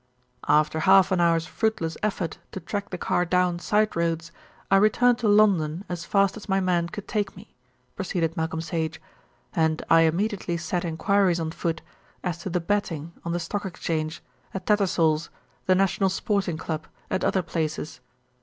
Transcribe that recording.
"After half an hour's fruitless effort to track the car down side roads, I returned to London as fast as my man could take me," proceeded Malcolm Sage, "and I immediately set enquiries on foot as to the betting on the Stock Exchange, at Tattersall's, the National Sporting Club, and other places.